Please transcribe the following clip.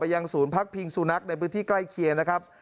ยังศูนย์พักพิงสุนัขในพื้นที่ใกล้เคียงนะครับ